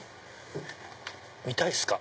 見たいっすか？